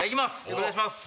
お願いします。